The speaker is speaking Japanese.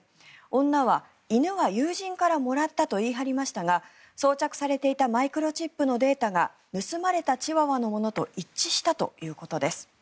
女は犬は友人からもらったと言い張りましたが装着されていたマイクロチップのデータが盗まれたチワワのものと一致したということです。